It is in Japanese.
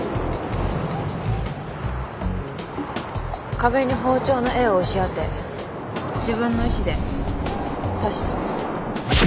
壁に包丁の柄を押し当て自分の意思で刺した。